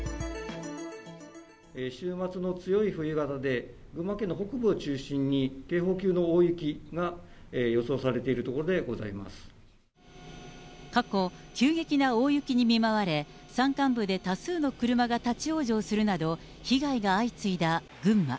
週末の強い冬型で、群馬県の北部を中心に警報級の大雪が予想されているところでござ過去、急激な大雪に見舞われ、山間部で多数の車が立往生するなど、被害が相次いだ群馬。